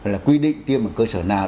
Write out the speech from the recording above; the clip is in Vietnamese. là quy định tiêm ở cơ sở nào